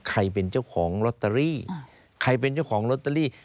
ใครเป็นเจ้าของลอตเตอรี่ใครเป็นเจ้าของลอตเตอรี่